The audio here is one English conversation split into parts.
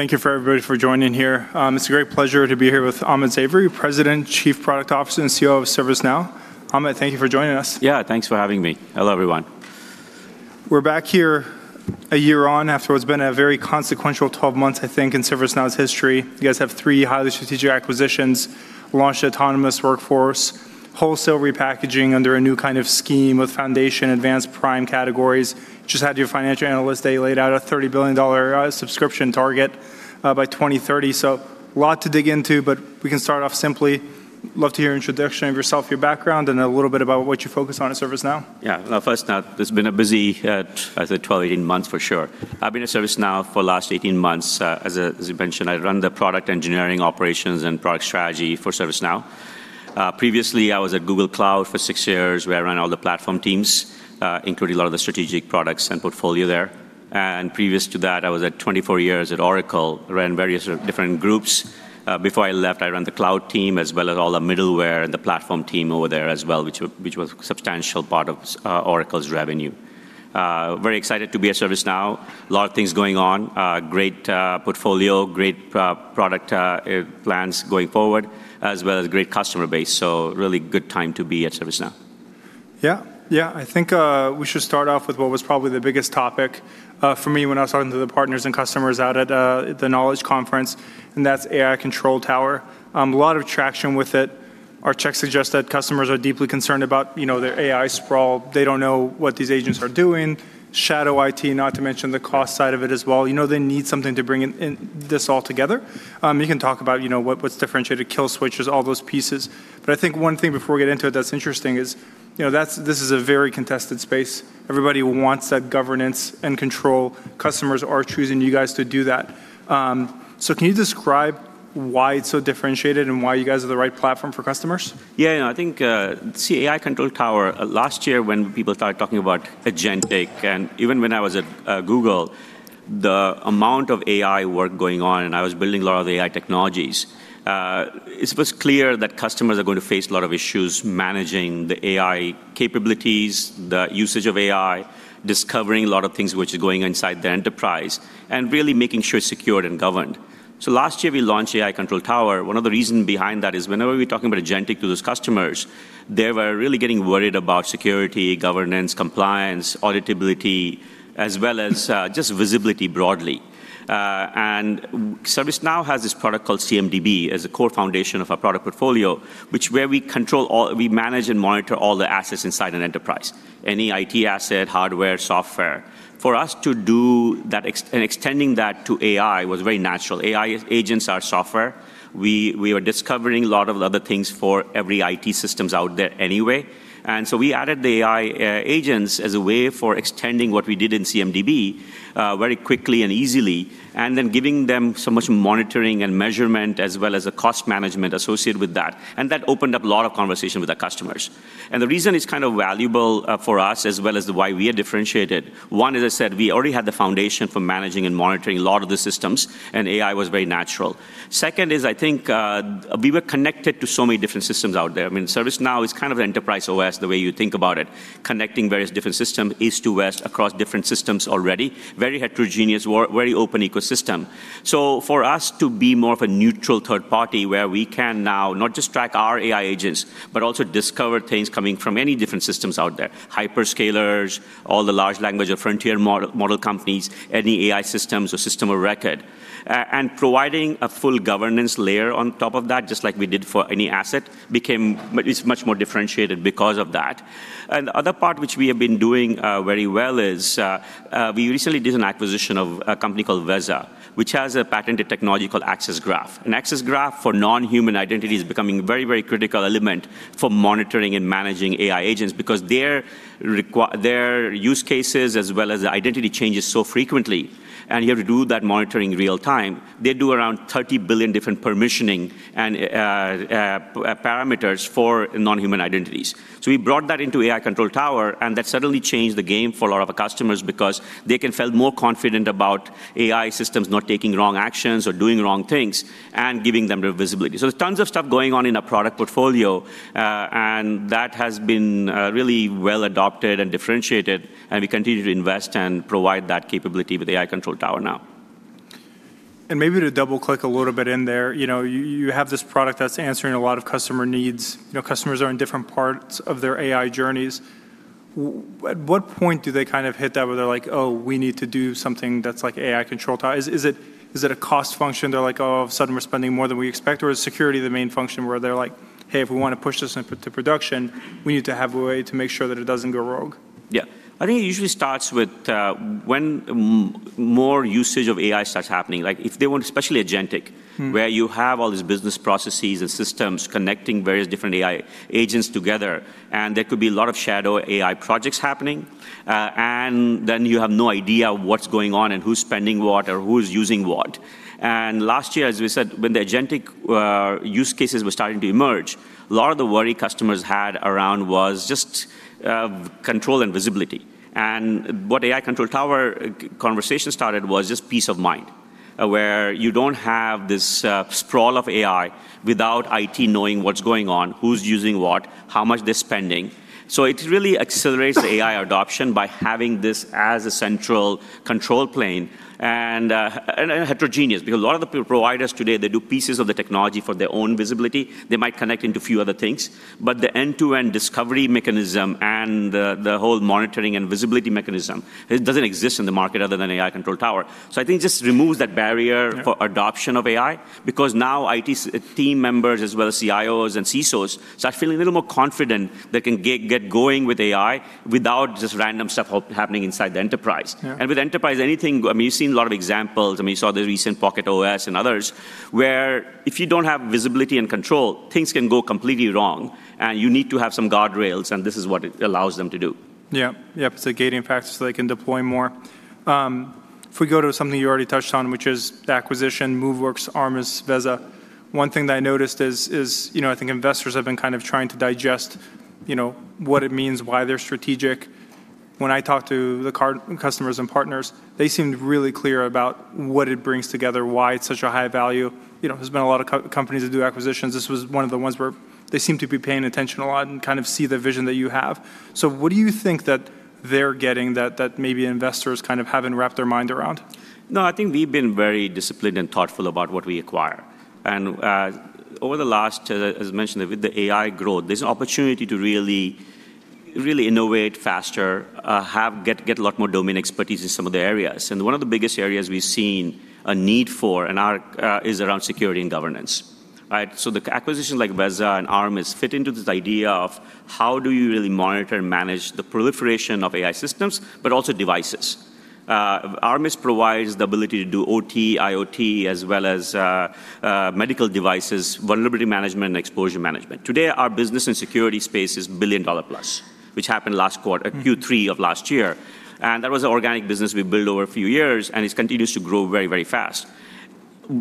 Thank you for everybody for joining here. It's a great pleasure to be here with Amit Zavery, President, Chief Product Officer, and Chief Operating Officer, ServiceNow. Amit, thank you for joining us. Yeah, thanks for having me. Hello, everyone. We're back here a year on after what's been a very consequential 12 months, I think, in ServiceNow's history. You guys have three highly strategic acquisitions, launched Autonomous Workforce, wholesale repackaging under a new kind of scheme with Foundation, Advanced, Prime categories. Just had your Financial Analyst Day laid out, a $30 billion subscription target by 2030. Lot to dig into, but we can start off simply. Love to hear introduction of yourself, your background, and a little about what you focus on at ServiceNow. Well, first out, it's been a busy, I'd say, 12, 18 months for sure. I've been at ServiceNow for the last 18 months. As you mentioned, I run the product engineering operations and product strategy for ServiceNow. Previously, I was at Google Cloud for six years, where I ran all the platform teams, including a lot of the strategic products and portfolio there. Previous to that, I was at 24 years at Oracle, ran various different groups. Before I left, I ran the cloud team as well as all the middleware and the platform team over there as well, which was substantial part of Oracle's revenue. Very excited to be at ServiceNow. Lot of things going on. Great portfolio, great product, plans going forward, as well as great customer base, so really good time to be at ServiceNow. Yeah. Yeah. I think we should start off with what was probably the biggest topic for me when I was talking to the partners and customers out at the Knowledge Conference, that's AI Control Tower. A lot of traction with it. Our checks suggest that customers are deeply concerned about, you know, their AI sprawl. They don't know what these agents are doing, shadow IT, not to mention the cost side of it as well. You know, they need something to bring in this all together. You can talk about, you know, what's differentiated, kill switches, all those pieces. I think one thing before we get into it that's interesting is, you know, this is a very contested space. Everybody wants that governance and control. Customers are choosing you guys to do that. Can you describe why it's so differentiated and why you guys are the right platform for customers? See, AI Control Tower, last year when people started talking about Agentic, and even when I was at Google, the amount of AI work going on, and I was building a lot of the AI technologies, it was clear that customers are going to face a lot of issues managing the AI capabilities, the usage of AI, discovering a lot of things which are going inside the enterprise, and really making sure it's secured and governed. Last year, we launched AI Control Tower. One of the reason behind that is whenever we're talking about agentic to those customers, they were really getting worried about security, governance, compliance, auditability, as well as, just visibility broadly. ServiceNow has this product called CMDB as a core foundation of our product portfolio, where we manage and monitor all the assets inside an enterprise, any IT asset, hardware, software. For us to do that and extending that to AI was very natural. AI agents are software. We are discovering a lot of other things for every IT systems out there anyway. We added the AI agents as a way for extending what we did in CMDB very quickly and easily, and then giving them so much monitoring and measurement as well as a cost management associated with that. That opened up a lot of conversation with our customers. The reason it's kind of valuable for us as well as why we are differentiated, one, as I said, we already had the foundation for managing and monitoring a lot of the systems, AI was very natural. Second is, I think, we were connected to so many different systems out there. I mean, ServiceNow is kind of enterprise OS, the way you think about it, connecting various different system, east to west across different systems already. Very heterogeneous, very open ecosystem. For us to be more of a neutral third party where we can now not just track our AI agents, but also discover things coming from any different systems out there, hyperscalers, all the large language or frontier model companies, any AI systems or system of record. Providing a full governance layer on top of that, just like we did for any asset, became much more differentiated because of that. The other part which we have been doing very well is we recently did an acquisition of a company called Veza, which has a patented technology called Access Graph. An Access Graph for non-human identity is becoming very critical element for monitoring and managing AI agents because their use cases as well as the identity changes so frequently, and you have to do that monitoring real time. They do around 30 billion different permissioning and parameters for non-human identities. We brought that into ServiceNow AI Control Tower, and that suddenly changed the game for a lot of our customers because they can feel more confident about AI systems not taking wrong actions or doing wrong things and giving them the visibility. There's tons of stuff going on in our product portfolio, and that has been really well adopted and differentiated, and we continue to invest and provide that capability with AI Control Tower now. Maybe to double-click a little bit in there, you know, you have this product that's answering a lot of customer needs. You know, customers are in different parts of their AI journeys. At what point do they kind of hit that where they're like, "Oh, we need to do something that's like AI Control Tower"? Is it a cost function? They're like, "Oh, all of a sudden we're spending more than we expect," or is security the main function where they're like, "Hey, if we wanna push this into production, we need to have a way to make sure that it doesn't go rogue"? Yeah. I think it usually starts with, when more usage of AI starts happening. Like, if they want especially. Where you have all these business processes and systems connecting various different AI agents together, and there could be a lot of shadow AI projects happening. Then you have no idea what's going on and who's spending what or who's using what. Last year, as we said, when the agentic use cases were starting to emerge, a lot of the worry customers had around was just control and visibility. What AI Control Tower conversation started was just peace of mind. Where you don't have this sprawl of AI without IT knowing what's going on, who's using what, how much they're spending. It really accelerates the AI adoption by having this as a central control plane and heterogeneous. A lot of the providers today, they do pieces of the technology for their own visibility. They might connect into a few other things. The end-to-end discovery mechanism and the whole monitoring and visibility mechanism, it doesn't exist in the market other than AI Control Tower. I think it just removes that barrier for adoption of AI, because now IT team members as well as CIOs and CISOs start feeling a little more confident they can get going with AI without just random stuff happening inside the enterprise. Yeah. With enterprise, anything I mean, you've seen a lot of examples, I mean, you saw the recent PocketOS and others, where if you don't have visibility and control, things can go completely wrong, and you need to have some guardrails, and this is what it allows them to do. Yeah. It's a gating factor so they can deploy more. If we go to something you already touched on, which is the acquisition, Moveworks, Armis, Veza. One thing that I noticed is, you know, I think investors have been kind of trying to digest, you know, what it means, why they're strategic. When I talk to the customers and partners, they seem really clear about what it brings together, why it's such a high value. You know, there's been a lot of companies that do acquisitions. This was one of the ones where they seem to be paying attention a lot and kind of see the vision that you have. What do you think that they're getting that maybe investors kind of haven't wrapped their mind around? No, I think we've been very disciplined and thoughtful about what we acquire. Over the last, as mentioned, with the AI growth, there's an opportunity to really innovate faster, get a lot more domain expertise in some of the areas. One of the biggest areas we've seen a need for is around security and governance, right? The acquisition like Veza and Armis fit into this idea of how do you really monitor and manage the proliferation of AI systems, but also devices. Armis provides the ability to do OT, IoT, as well as medical devices, vulnerability management, and exposure management. Today, our business and security space is a billion dollar-plus, which happened last quarter. Q3 of last year. That was organic business we built over a few years, and it continues to grow very, very fast.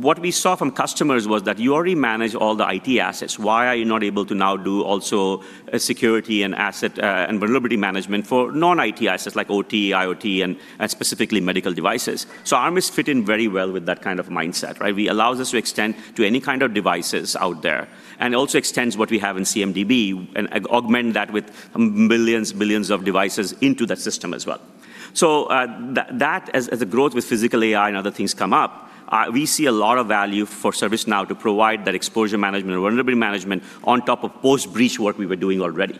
What we saw from customers was that you already manage all the IT assets. Why are you not able to now do also a security and asset and vulnerability management for non-IT assets like OT, IoT, and specifically medical devices? Armis fit in very well with that kind of mindset, right? We allows us to extend to any kind of devices out there, and also extends what we have in CMDB and augment that with millions, billions of devices into that system as well. That as the growth with physical AI and other things come up, we see a lot of value for ServiceNow to provide that exposure management and vulnerability management on top of post-breach work we were doing already.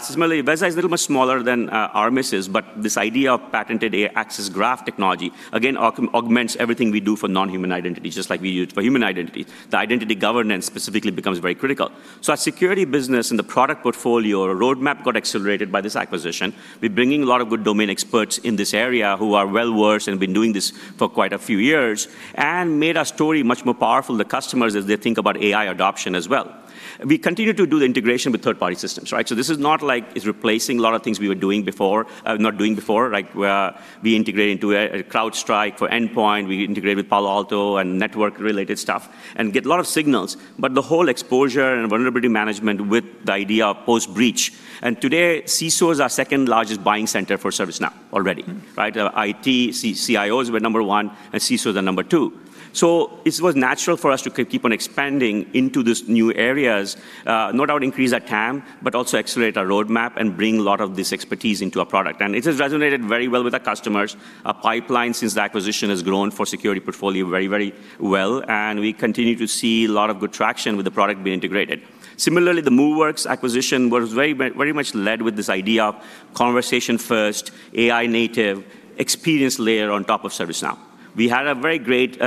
Similarly, Veza is a little much smaller than Armis is, but this idea of patented AI access graph technology, again, augments everything we do for non-human identities, just like we use for human identity. The identity governance specifically becomes very critical. Our security business and the product portfolio roadmap got accelerated by this acquisition. We're bringing a lot of good domain experts in this area who are well-versed and have been doing this for quite a few years, and made our story much more powerful to customers as they think about AI adoption as well. We continue to do the integration with third-party systems, right? This is not like it's replacing a lot of things we were not doing before. We integrate into a CrowdStrike for endpoint. We integrate with Palo Alto and network-related stuff and get a lot of signals. The whole exposure and vulnerability management with the idea of post-breach. Today, CISOs are second-largest buying center for ServiceNow already. Right? IT, CIOs were number one, and CISOs are number two. It was natural for us to keep on expanding into these new areas, not only increase our TAM, but also accelerate our roadmap and bring a lot of this expertise into our product. It has resonated very well with our customers. Our pipeline since the acquisition has grown for security portfolio very, very well, and we continue to see a lot of good traction with the product being integrated. The Moveworks acquisition was very much led with this idea of conversation first, AI native, experience layer on top of ServiceNow. We have a great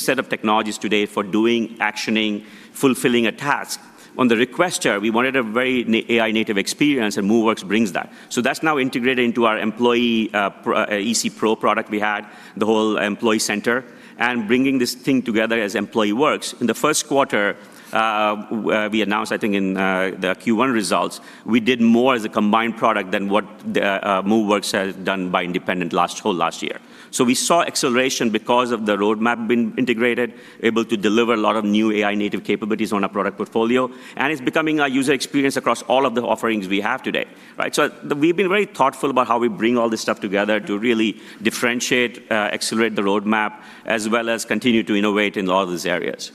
set of technologies today for doing, actioning, fulfilling a task. On the requester, we wanted a very AI native experience, and Moveworks brings that. That's now integrated into our Employee Center Pro product we had, the whole employee center, and bringing this thing together as EmployeeWorks. In the first quarter, we announced, I think in the Q1 results, we did more as a combined product than what the Moveworks has done by independent last whole last year. We saw acceleration because of the roadmap being integrated, able to deliver a lot of new AI-native capabilities on our product portfolio, and it's becoming our user experience across all of the offerings we have today, right? We've been very thoughtful about how we bring all this stuff together to really differentiate, accelerate the roadmap, as well as continue to innovate in all these areas.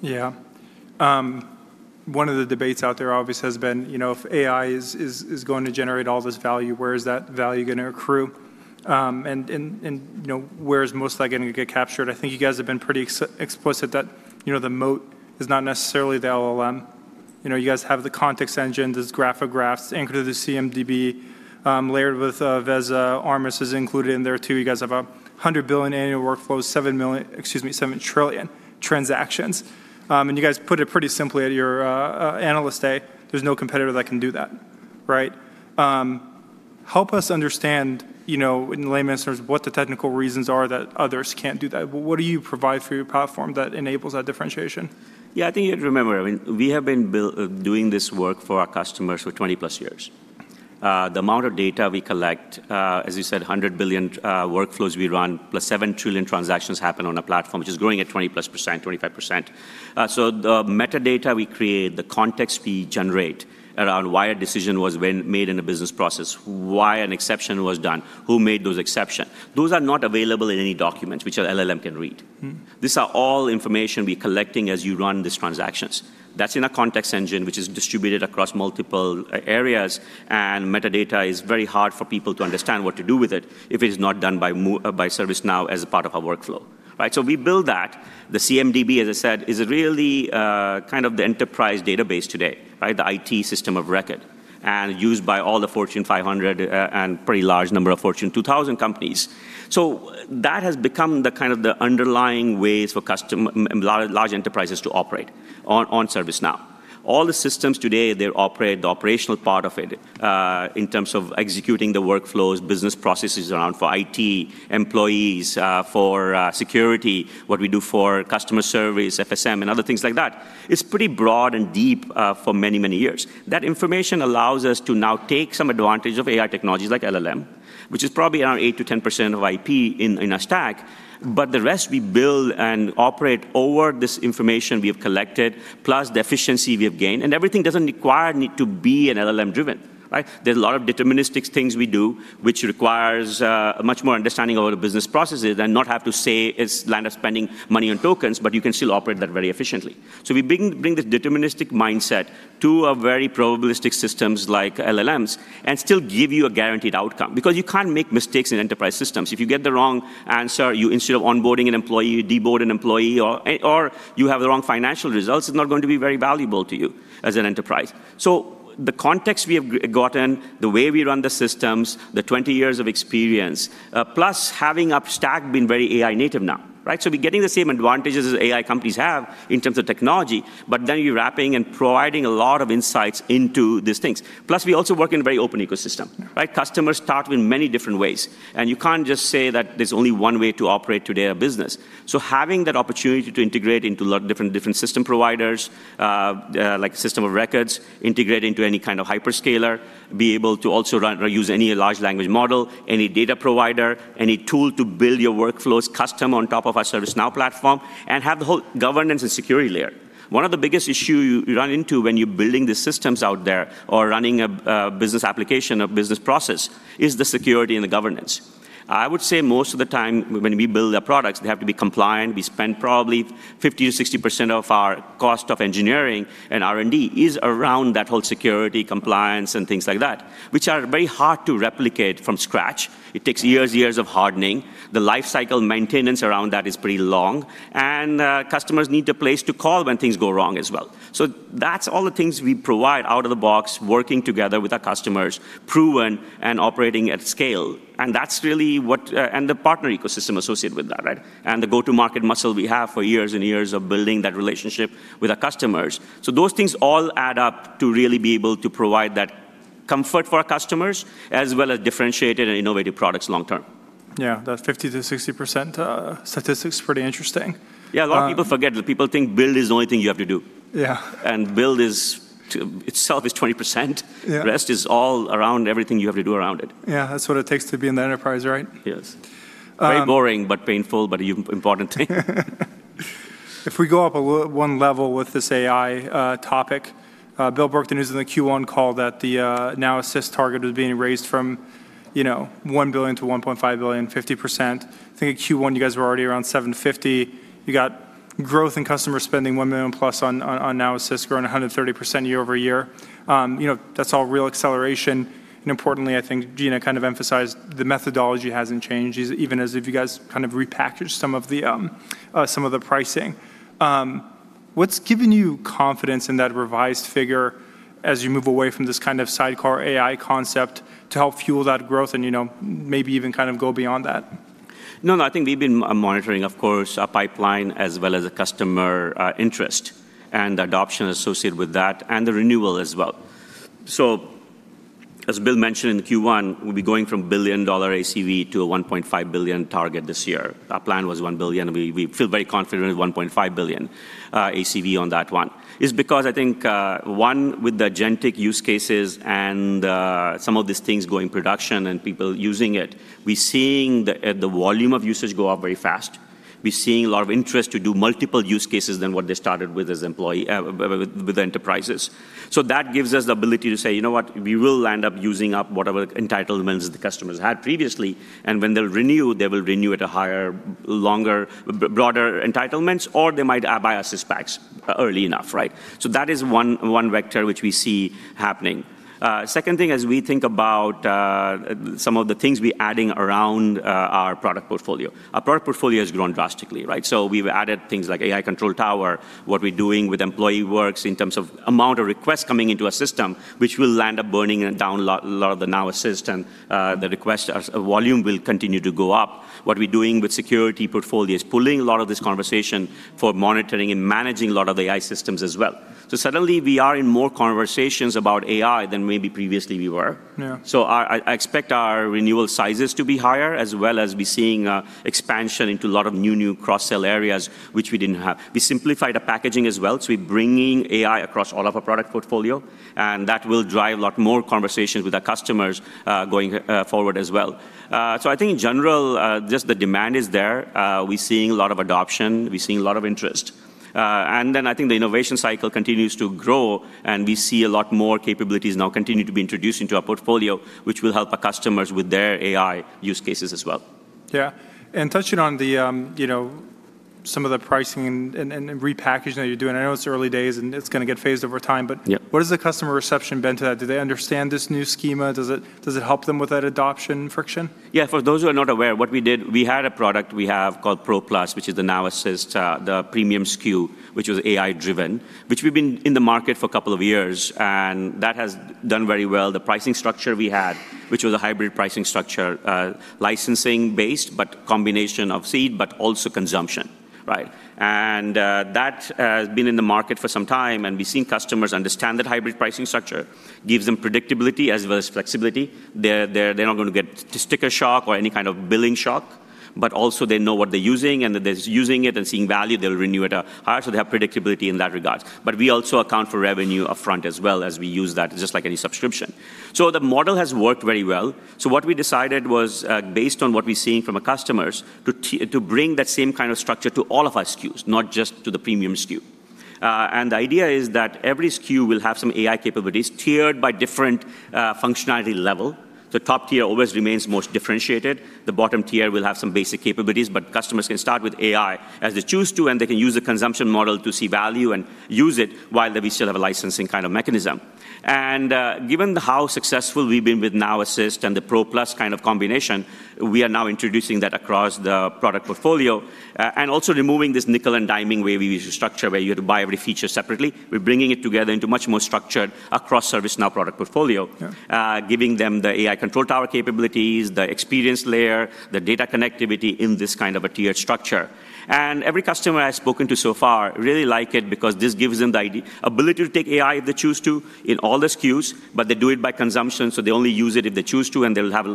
Yeah. One of the debates out there obviously has been, you know, if AI is going to generate all this value, where is that value gonna accrue? You know, where is most likely gonna get captured? I think you guys have been pretty explicit that, you know, the moat is not necessarily the LLM. You know, you guys have the Context Engine, there's graph of graphs anchored to the CMDB, layered with Veza. Armis is included in there too. You guys have 100 billion annual workflows, 7 million, excuse me, 7 trillion transactions. You guys put it pretty simply at your Analyst Day. There's no competitor that can do that, right? Help us understand, you know, in layman's terms, what the technical reasons are that others can't do that. What do you provide through your platform that enables that differentiation? Yeah. I think you have to remember, I mean, we have been doing this work for our customers for 20+ years. The amount of data we collect, as you said, 100 billion workflows we run, plus 7 trillion transactions happen on our platform, which is growing at 20%+, 25%. So the metadata we create, the context we generate around why a decision was when made in a business process, why an exception was done, who made those exception, those are not available in any documents which our LLM can read. These are all information we're collecting as you run these transactions. That's in a Context Engine which is distributed across multiple areas. Metadata is very hard for people to understand what to do with it if it is not done by ServiceNow as a part of our workflow, right? We build that. The CMDB, as I said, is really kind of the enterprise database today, right? Used by all the Fortune 500 and pretty large number of Fortune 2000 companies. That has become the kind of the underlying ways for large enterprises to operate on ServiceNow. All the systems today, they operate the operational part of it, in terms of executing the workflows, business processes around for IT, employees, for security, what we do for customer service, FSM, and other things like that. It's pretty broad and deep for many years. That information allows us to now take some advantage of AI technologies like LLM, which is probably around 8%-10% of IP in our stack, but the rest we build and operate over this information we have collected, plus the efficiency we have gained. Everything doesn't require need to be an LLM driven, right? There's a lot of deterministic things we do which requires much more understanding of our business processes and not have to say it's land of spending money on tokens, but you can still operate that very efficiently. We bring the deterministic mindset to a very probabilistic systems like LLMs and still give you a guaranteed outcome, because you can't make mistakes in enterprise systems. If you get the wrong answer, you instead of onboarding an employee, you de-board an employee or you have the wrong financial results, it's not going to be very valuable to you as an enterprise. The context we have gotten, the way we run the systems, the 20 years of experience, plus having our stack been very AI native now, right? We're getting the same advantages as AI companies have in terms of technology, we're wrapping and providing a lot of insights into these things. We also work in a very open ecosystem, right? Customers talk in many different ways. You can't just say that there's only one way to operate today a business. Having that opportunity to integrate into lot different system providers, like system of records, integrate into any kind of hyperscaler, be able to also run or use any large language model, any data provider, any tool to build your workflows custom on top of our ServiceNow platform, and have the whole governance and security layer. One of the biggest issue you run into when you're building the systems out there or running a business application, a business process, is the security and the governance. I would say most of the time when we build our products, they have to be compliant. We spend probably 50%-60% of our cost of engineering and R&D is around that whole security compliance and things like that, which are very hard to replicate from scratch. It takes years of hardening. The lifecycle maintenance around that is pretty long. Customers need a place to call when things go wrong as well. That's all the things we provide out of the box, working together with our customers, proven and operating at scale. The partner ecosystem associated with that, right? The go-to-market muscle we have for years and years of building that relationship with our customers. Those things all add up to really be able to provide that comfort for our customers as well as differentiated and innovative products long-term. Yeah. That 50%-60% statistic's pretty interesting. Yeah, a lot of people forget. The people think build is the only thing you have to do. Yeah. Build is itself is 20%. Yeah. The rest is all around everything you have to do around it. Yeah. That's what it takes to be in the enterprise, right? Yes. Um- Very boring, but painful, but important. If we go up one level with this AI topic, Bill McDermott is in the Q1 call that the Now Assist target was being raised from, you know, $1 billion to $1.5 billion, 50%. I think in Q1 you guys were already around $750 million. You got growth in customer spending, 1 million+ on Now Assist, growing 130% year-over-year. You know, that's all real acceleration. Importantly, I think Gina kind of emphasized the methodology hasn't changed, even as if you guys kind of repackaged some of the some of the pricing. What's given you confidence in that revised figure as you move away from this kind of sidecar AI concept to help fuel that growth and, you know, maybe even kind of go beyond that? I think we've been monitoring, of course, our pipeline as well as the customer interest and adoption associated with that and the renewal as well. As Bill mentioned in Q1, we'll be going from billion-dollar ACV to a $1.5 billion target this year. Our plan was $1 billion. We feel very confident with $1.5 billion ACV on that one, is because I think 1, with the agentic use cases and some of these things going production and people using it, we're seeing the volume of usage go up very fast. We're seeing a lot of interest to do multiple use cases than what they started with as with enterprises. That gives us the ability to say, "You know what? We will end up using up whatever entitlements the customers had previously, and when they'll renew, they will renew at a higher, longer, broader entitlements, or they might buy us as packs early enough. That is one vector which we see happening. Second thing, as we think about some of the things we're adding around our product portfolio. Our product portfolio has grown drastically. We've added things like AI Control Tower, what we're doing with EmployeeWorks in terms of amount of requests coming into our system, which will land up burning down lot of the Now Assist and the request volume will continue to go up. What we're doing with security portfolio is pulling a lot of this conversation for monitoring and managing a lot of AI systems as well. Suddenly we are in more conversations about AI than maybe previously we were. Yeah. I expect our renewal sizes to be higher, as well as we're seeing expansion into a lot of new cross-sell areas which we didn't have. We simplified the packaging as well, so we're bringing AI across all of our product portfolio, and that will drive a lot more conversations with our customers going forward as well. I think in general, just the demand is there. We're seeing a lot of adoption. We're seeing a lot of interest. I think the innovation cycle continues to grow, and we see a lot more capabilities now continue to be introduced into our portfolio, which will help our customers with their AI use cases as well. Yeah. Touching on the, you know, some of the pricing and repackaging that you're doing. I know it's early days, and it's going to get phased over time. Yeah What has the customer reception been to that? Do they understand this new schema? Does it help them with that adoption friction? Yeah, for those who are not aware, what we did, we had a product we have called Pro Plus, which is the Now Assist, the premium SKU, which was AI-driven, which we've been in the market for a couple of years. That has done very well. The pricing structure we had, which was a hybrid pricing structure, licensing based, but combination of seed, but also consumption, right? That has been in the market for some time, and we've seen customers understand that hybrid pricing structure. Gives them predictability as well as flexibility. They're not gonna get sticker shock or any kind of billing shock. Also they know what they're using, and if they're using it and seeing value, they'll renew it higher. They have predictability in that regard. We also account for revenue upfront as well as we use that, just like any subscription. The model has worked very well. What we decided was, based on what we're seeing from our customers, to bring that same kind of structure to all of our SKUs, not just to the premium SKU. The idea is that every SKU will have some AI capabilities tiered by different functionality level. The top tier always remains most differentiated. The bottom tier will have some basic capabilities, but customers can start with AI as they choose to, and they can use the consumption model to see value and use it while we still have a licensing kind of mechanism. Given how successful we've been with Now Assist and the Pro Plus kind of combination, we are now introducing that across the product portfolio. Also removing this nickel-and-diming way we used to structure where you had to buy every feature separately. We're bringing it together into much more structured across ServiceNow product portfolio. Yeah. Giving them the AI Control Tower capabilities, the experience layer, the data connectivity in this kind of a tiered structure. Every customer I've spoken to so far really like it because this gives them the ability to take AI if they choose to in all the SKUs, but they do it by consumption, so they only use it if they choose to, and they will have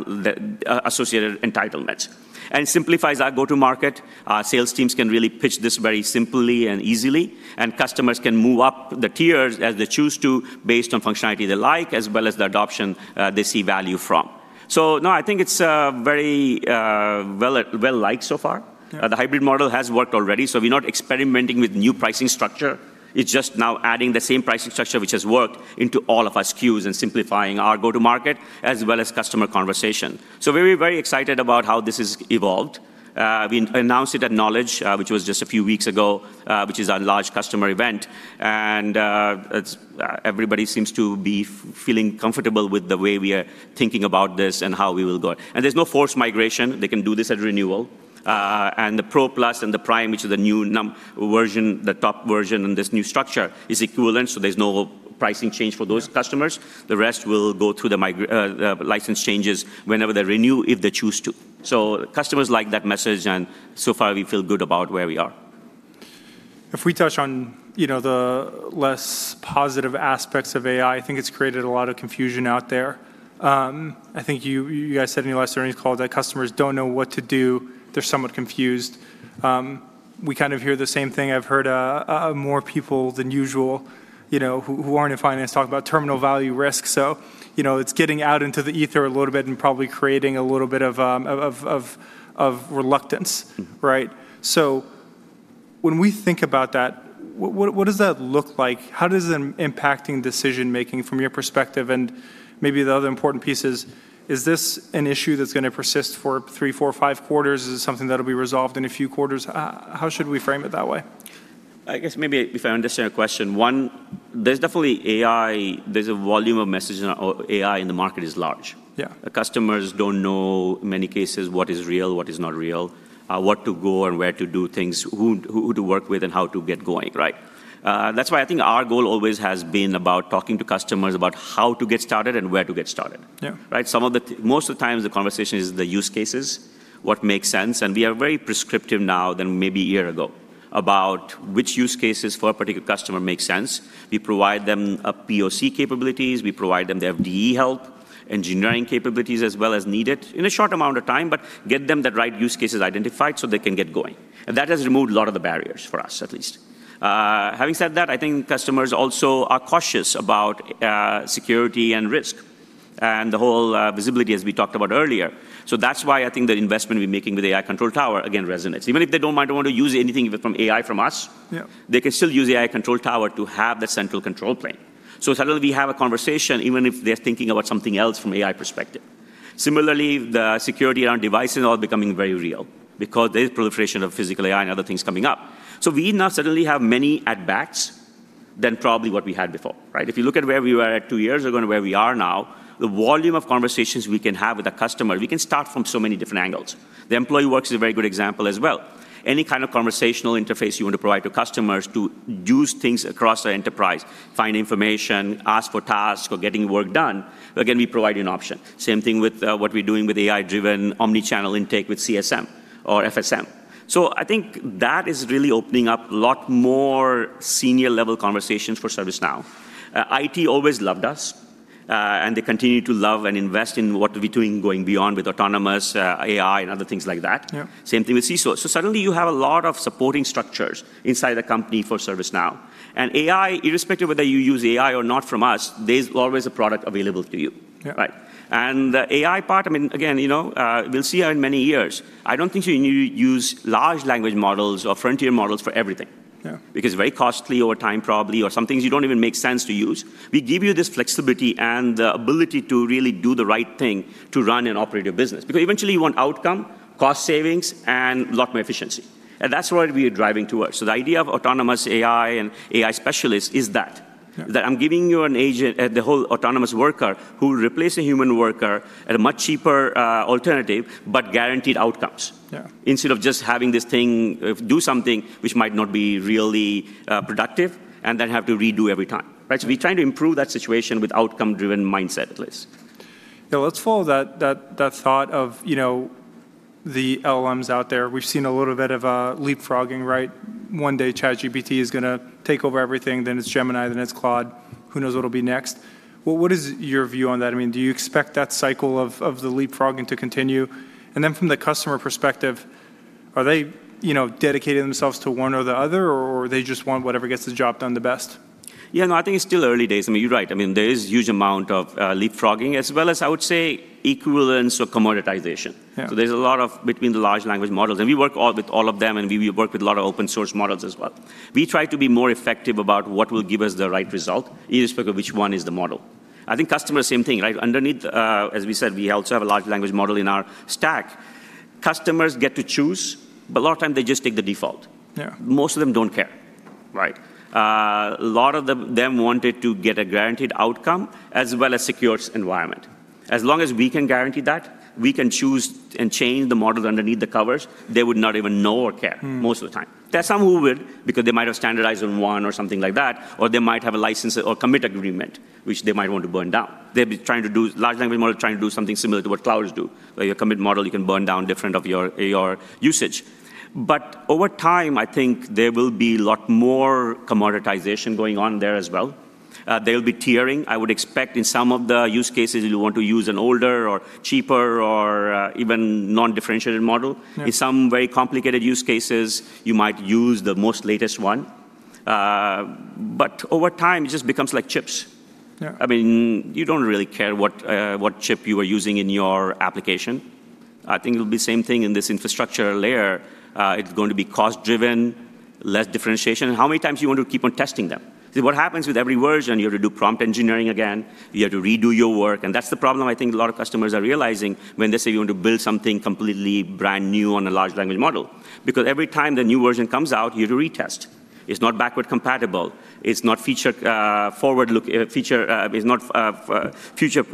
associated entitlements. It simplifies our go-to-market. Our sales teams can really pitch this very simply and easily, and customers can move up the tiers as they choose to based on functionality they like as well as the adoption they see value from. I think it's very well-liked so far. Yeah. The hybrid model has worked already. We're not experimenting with new pricing structure. It's just now adding the same pricing structure which has worked into all of our SKUs and simplifying our go-to-market as well as customer conversation. We're very excited about how this has evolved. We announced it at Knowledge, which was just a few weeks ago, which is our large customer event. Everybody seems to be feeling comfortable with the way we are thinking about this and how we will go. There's no forced migration. They can do this at renewal. The Pro Plus and the Prime, which are the new version, the top version in this new structure, is equivalent, so there's no pricing change for those customers. Yeah. The rest will go through the license changes whenever they renew if they choose to. Customers like that message, and so far we feel good about where we are. If we touch on the less positive aspects of AI, I think it's created a lot of confusion out there. I think you guys said in your last earnings call that customers don't know what to do. They're somewhat confused. We kind of hear the same thing. I've heard more people than usual who aren't in finance talk about terminal value risk. It's getting out into the ether a little bit and probably creating a little bit of reluctance, right? When we think about that, what does that look like? How is it impacting decision-making from your perspective? Maybe the other important piece is this an issue that's gonna persist for three, four, five quarters? Is it something that'll be resolved in a few quarters? How should we frame it that way? I guess maybe if I understand your question, one, there's definitely AI there's a volume of messaging or AI in the market is large. Yeah. Customers don't know in many cases what is real, what is not real, where to go and where to do things, who to work with and how to get going, right? That's why I think our goal always has been about talking to customers about how to get started and where to get started. Yeah. Right? Some of the most of the times the conversation is the use cases, what makes sense, and we are very prescriptive now than maybe a year ago about which use cases for a particular customer makes sense. We provide them POC capabilities. We provide them the FDE help, engineering capabilities as well as needed in a short amount of time, but get them the right use cases identified so they can get going. That has removed a lot of the barriers for us at least. Having said that, I think customers also are cautious about security and risk and the whole visibility as we talked about earlier. That's why I think the investment we're making with AI Control Tower again resonates. Even if they don't might want to use anything from AI from us. Yeah they can still use AI Control Tower to have the central control plane. Suddenly we have a conversation even if they're thinking about something else from AI perspective. Similarly, the security around devices are becoming very real because there is proliferation of physical AI and other things coming up. We now suddenly have many at-bats than probably what we had before, right? If you look at where we were at two years ago and where we are now, the volume of conversations we can have with a customer, we can start from so many different angles. The EmployeeWorks is a very good example as well. Any kind of conversational interface you want to provide to customers to do things across the enterprise, find information, ask for tasks or getting work done, again, we provide you an option. Same thing with what we're doing with AI-driven omni-channel intake with CSM or FSM. I think that is really opening up a lot more senior level conversations for ServiceNow. IT always loved us. They continue to love and invest in what we're doing going beyond with autonomous AI, and other things like that. Yeah. Same thing with CISOs. Suddenly you have a lot of supporting structures inside the company for ServiceNow. AI, irrespective whether you use AI or not from us, there's always a product available to you. Yeah. Right? The AI part, I mean, again, you know, we'll see how in many years. I don't think you use large language models or frontier models for everything. Yeah Very costly over time probably, or some things you don't even make sense to use. We give you this flexibility and the ability to really do the right thing to run and operate your business. Eventually you want outcome, cost savings, and a lot more efficiency, and that's what we are driving towards. The idea of autonomous AI and AI specialists is that. Yeah. That I'm giving you an agent, the whole autonomous worker who replace a human worker at a much cheaper alternative, but guaranteed outcomes. Yeah Instead of just having this thing do something which might not be really productive and then have to redo every time. We're trying to improve that situation with outcome-driven mindset at least. Yeah. Let's follow that thought of, you know, the LLMs out there. We've seen a little bit of leapfrogging, right? One day ChatGPT is gonna take over everything, then it's Gemini, then it's Claude. Who knows what'll be next? What is your view on that? I mean, do you expect that cycle of the leapfrogging to continue? From the customer perspective, are they, you know, dedicating themselves to one or the other, or they just want whatever gets the job done the best? Yeah, no, I think it's still early days. I mean, there is huge amount of leapfrogging as well as, I would say, equivalence or commoditization. Yeah. There's a lot of between the large language models, and we work all with all of them, and we work with a lot of open source models as well. We try to be more effective about what will give us the right result, irrespective of which one is the model. I think customers, same thing, right? Underneath, as we said, we also have a large language model in our stack. Customers get to choose, but a lot of time they just take the default. Yeah. Most of them don't care, right? A lot of them wanted to get a guaranteed outcome as well as secure environment. As long as we can guarantee that, we can choose and change the models underneath the covers, they would not even know or care most of the time. There are some who will because they might have standardized on one or something like that, or they might have a license or commit agreement which they might want to burn down. They'll be trying to do large language model trying to do something similar to what Claude do, where your commit model you can burn down different of your AR usage. Over time, I think there will be a lot more commoditization going on there as well. There'll be tiering. I would expect in some of the use cases you want to use an older or cheaper or even non-differentiated model. Yeah. In some very complicated use cases, you might use the most latest one. Over time it just becomes like chips. Yeah. I mean, you don't really care what chip you are using in your application. I think it'll be same thing in this infrastructure layer. It's going to be cost driven, less differentiation. How many times you want to keep on testing them? See what happens with every version, you have to do prompt engineering again. You have to redo your work, that's the problem I think a lot of customers are realizing when they say you want to build something completely brand new on a large language model. Every time the new version comes out, you have to retest. It's not backward compatible. It's not feature is not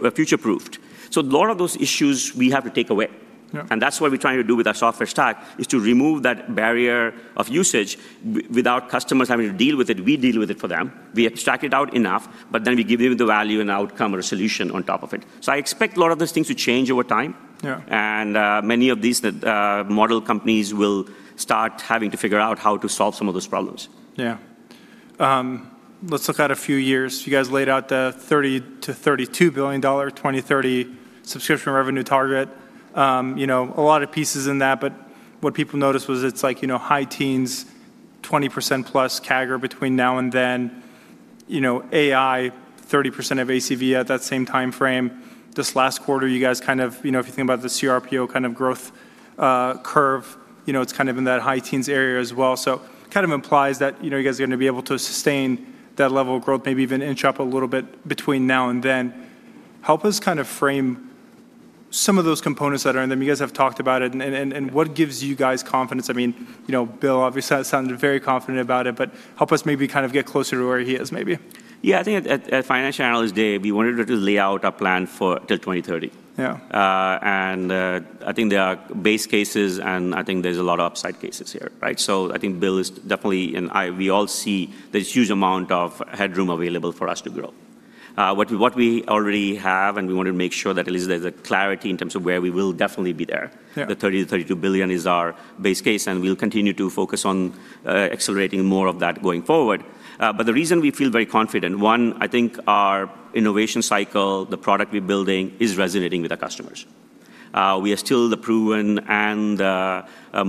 future-proofed. A lot of those issues we have to take away. Yeah. That's what we're trying to do with our software stack, is to remove that barrier of usage without customers having to deal with it. We deal with it for them. We extract it out enough, we give you the value and outcome or a solution on top of it. I expect a lot of these things to change over time. Yeah. Many of these model companies will start having to figure out how to solve some of those problems. Yeah. Let's look out a few years. You guys laid out the $30 billion-$32 billion 2030 subscription revenue target. You know, a lot of pieces in that, but what people noticed was it's like, you know, high teens, 20%+ CAGR between now and then. You know, AI 30% of ACV at that same timeframe. This last quarter you guys You know, if you think about the CRPO kind of growth curve, you know, it's kind of in that high teens area as well. Kind of implies that, you know, you guys are gonna be able to sustain that level of growth, maybe even inch up a little bit between now and then. Help us kind of frame some of those components that are in them. You guys have talked about it and what gives you guys confidence? I mean, you know, Bill obviously sounded very confident about it, but help us maybe kind of get closer to where he is maybe. Yeah. I think at Financial Analyst Day, we wanted to lay out a plan for till 2030. Yeah. I think there are base cases, and I think there's a lot of upside cases here, right? We all see there's huge amount of headroom available for us to grow. What we already have, we want to make sure that at least there's a clarity in terms of where we will definitely be there. Yeah. The $30 billion-$32 billion is our base case, and we'll continue to focus on accelerating more of that going forward. The reason we feel very confident, one, I think our innovation cycle, the product we're building is resonating with our customers. We are still the proven and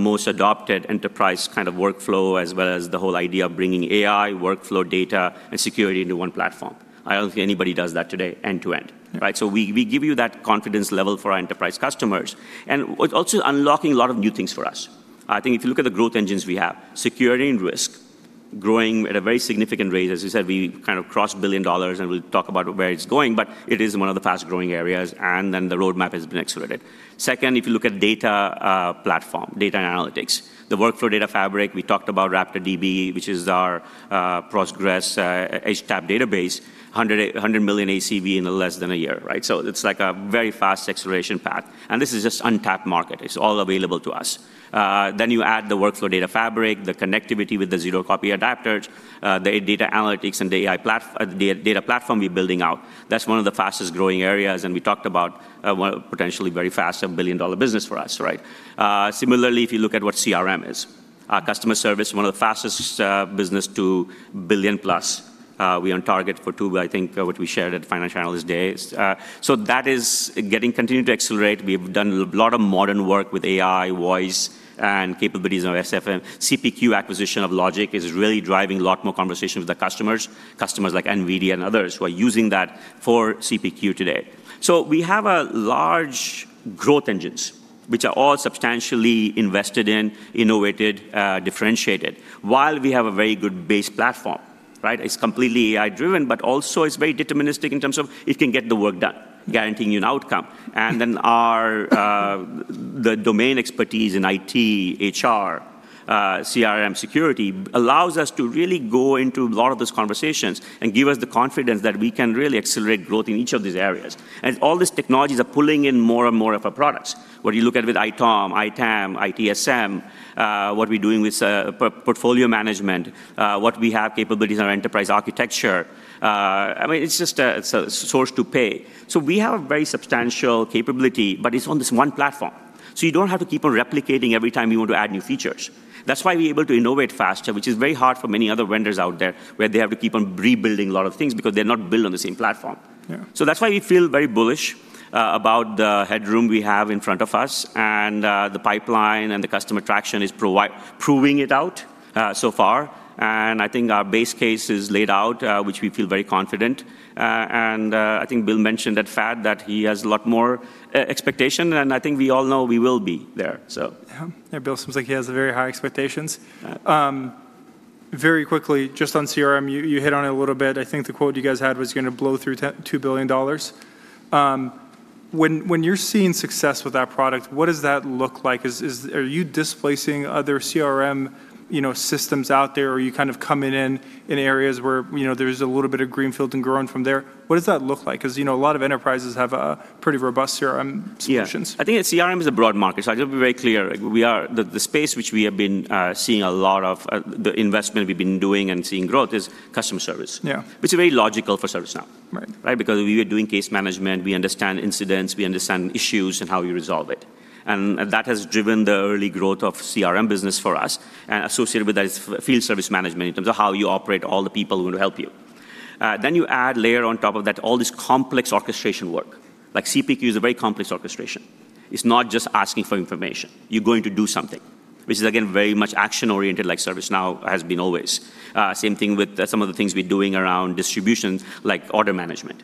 most adopted enterprise kind of workflow as well as the whole idea of bringing AI, workflow data, and security into one platform. I don't think anybody does that today end to end, right. We give you that confidence level for our enterprise customers and it also unlocking a lot of new things for us. I think if you look at the growth engines we have, security and risk growing at a very significant rate. As you said, we kind of crossed a billion dollars. We'll talk about where it's going, but it is 1 of the fast-growing areas. The roadmap has been accelerated. Second, if you look at data, platform, data analytics. The Workflow Data Fabric, we talked about RaptorDB, which is our Postgres HTAP database. $100 million ACV in less than a year. It's like a very fast acceleration path. This is just untapped market. It's all available to us. You add the Workflow Data Fabric, the connectivity with the Zero Copy Adaptors, the data analytics and the AI platform, the data platform we're building out. That's 1 of the fastest-growing areas. We talked about one potentially very fast, a billion-dollar business for us. Similarly, if you look at what CRM is. Our customer service, one of the fastest, business to billion-plus. We are on target for two, I think, what we shared at Financial Analyst Day. That is getting continued to accelerate. We've done a lot of modern work with AI, voice, and capabilities of SFM. CPQ acquisition of Logik.ai is really driving a lot more conversation with the customers like NVIDIA and others who are using that for CPQ today. We have a large growth engines, which are all substantially invested in, innovated, differentiated, while we have a very good base platform, right? It's completely AI-driven, but also it's very deterministic in terms of it can get the work done, guaranteeing an outcome. Our, the domain expertise in IT, HR, CRM security allows us to really go into a lot of those conversations and give us the confidence that we can really accelerate growth in each of these areas. All these technologies are pulling in more and more of our products. What you look at with ITOM, ITAM, ITSM, what we're doing with portfolio management, what we have capabilities in our enterprise architecture. I mean, it's just a, it's a source to pay. We have a very substantial capability, but it's on this one platform. You don't have to keep on replicating every time you want to add new features. That's why we're able to innovate faster, which is very hard for many other vendors out there, where they have to keep on rebuilding a lot of things because they're not built on the same platform. Yeah. That's why we feel very bullish, about the headroom we have in front of us, and the pipeline and the customer traction is proving it out, so far. I think our base case is laid out, which we feel very confident. I think Bill mentioned at FAD that he has a lot more expectation, and I think we all know we will be there, so. Yeah. Bill seems like he has very high expectations. Very quickly, just on CRM, you hit on it a little bit. I think the quote you guys had was you're gonna blow through $2 billion. When you're seeing success with that product, what does that look like? Are you displacing other CRM, you know, systems out there? Are you kind of coming in in areas where, you know, there's a little bit of greenfield and growing from there? What does that look like? 'Cause, you know, a lot of enterprises have pretty robust CRM solutions. Yeah. I think CRM is a broad market. I gotta be very clear. We are the space which we have been seeing a lot of the investment we've been doing and seeing growth is customer service. Yeah. Which is very logical for ServiceNow. Right. Right. Because we are doing case management, we understand incidents, we understand issues and how you resolve it. That has driven the early growth of CRM business for us. Associated with that is field service management in terms of how you operate all the people who help you. You add layer on top of that all this complex orchestration work. Like CPQ is a very complex orchestration. It's not just asking for information. You're going to do something, which is, again, very much action-oriented, like ServiceNow has been always. Same thing with some of the things we're doing around distributions, like order management.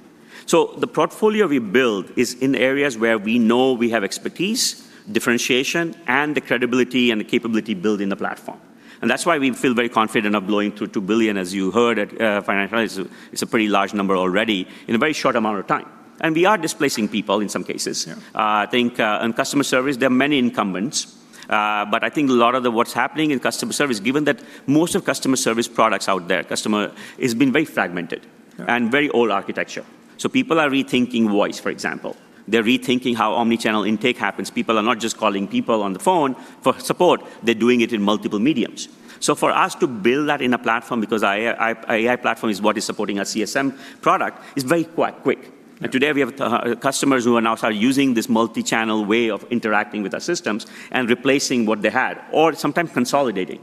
The portfolio we build is in areas where we know we have expertise, differentiation, and the credibility and the capability building the platform. That's why we feel very confident of blowing through $2 billion, as you heard at Financial. It's a pretty large number already in a very short amount of time. We are displacing people in some cases. Yeah. I think, in customer service, there are many incumbents. I think a lot of the what's happening in customer service, given that most of customer service products out there, customer has been very fragmented. Yeah Very old architecture. People are rethinking voice, for example. They're rethinking how omni-channel intake happens. People are not just calling people on the phone for support. They're doing it in multiple mediums. For us to build that in a platform, because AI platform is what is supporting our CSM product, is very quick. Yeah. Today, we have customers who now are using this multi-channel way of interacting with our systems and replacing what they had, or sometimes consolidating.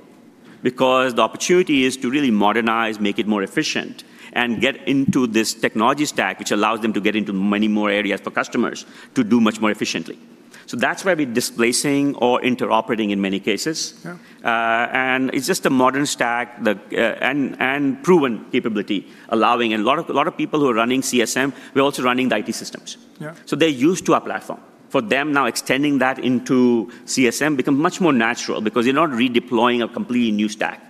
The opportunity is to really modernize, make it more efficient, and get into this technology stack, which allows them to get into many more areas for customers to do much more efficiently. That's why we're displacing or interoperating in many cases. Yeah. It's just a modern stack that, and proven capability allowing a lot of people who are running CSM, we're also running the IT systems. Yeah. They're used to our platform. For them now extending that into CSM become much more natural because they're not redeploying a completely new stack.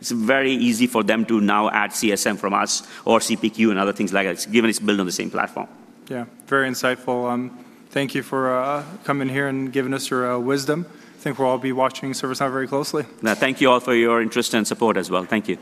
It's very easy for them to now add CSM from us or CPQ and other things like that, given it's built on the same platform. Yeah. Very insightful. Thank you for coming here and giving us your wisdom. I think we'll all be watching ServiceNow very closely. No, thank you all for your interest and support as well. Thank you.